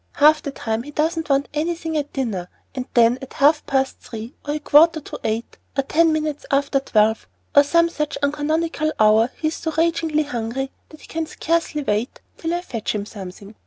Half the time he doesn't want anything at dinner; and then at half past three, or a quarter to eight, or ten minutes after twelve, or some such uncanonical hour, he is so ragingly hungry that he can scarcely wait till I fetch him something.